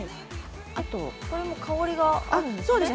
これも香りがあるんですね。